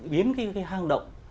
biến cái hang động